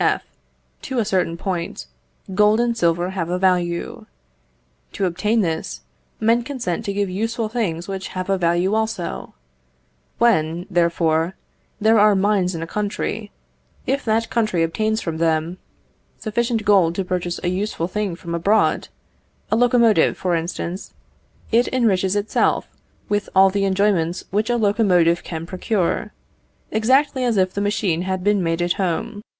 F. To a certain point, gold and silver have a value. To obtain this, men consent to give useful things which have a value also. When, therefore, there are mines in a country, if that country obtains from them sufficient gold to purchase a useful thing from abroad a locomotive, for instance it enriches itself with all the enjoyments which a locomotive can procure, exactly as if the machine had been made at home.